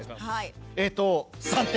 えっと３点！